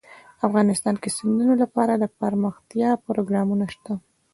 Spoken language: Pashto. افغانستان کې د سیندونه لپاره دپرمختیا پروګرامونه شته.